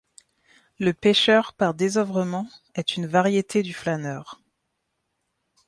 Le pêcheur par désœuvrement est une variété du flâneur.